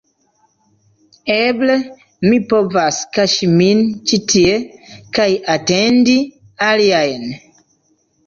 Eble, mi povas kaŝi min ĉi tie kaj atendi aliajn